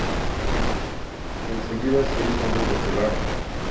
Enseguida se hizo muy popular.